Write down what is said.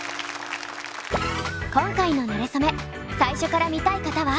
今回の「なれそめ」最初から見たい方は。